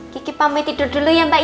kiki pamit tidur dulu ya mbak ya